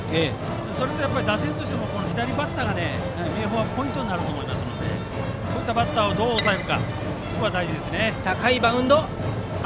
それと打線としても左バッターが明豊はポイントになりますからそういったバッターをどう抑えるかが大事です。